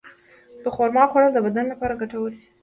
د خرما خوړل د بدن لپاره ګټور دي.